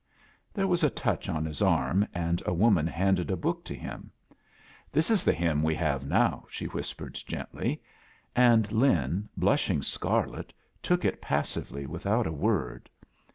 There was a touch on fiis arm, and a woman Iianded a book to tiim. "This is tfie hymn we have now,",stie wtiispered. gently; and Lin, blushiog scarlet, took it passively wrthoot a word.